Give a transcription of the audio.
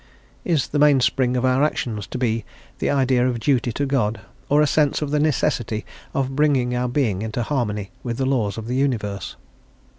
Is the mainspring of our actions to be the idea of duty to God, or a sense of the necessity of bringing our being into harmony with the laws of the universe?